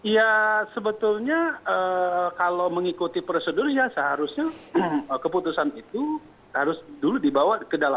ya sebetulnya kalau mengikuti prosedur ya seharusnya keputusan itu harus dulu dibawa ke dalam